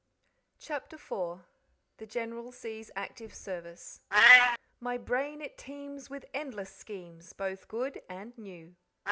CHAPTER IV The General Sees Active Service "My brain it teems With endless schemes, Both good and new."